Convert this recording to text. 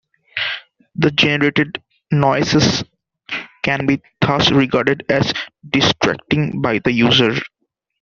The generated noises can be thus regarded as distracting by the user.